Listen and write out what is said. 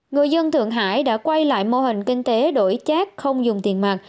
người dân thượng hải đã quay lại mô hình kinh tế đổi chát không dùng tiền mặt